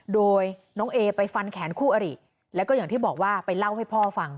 โดยน้องเอไปฟันแขนคู่อริแล้วก็อย่างที่บอกว่าไปเล่าให้พ่อฟัง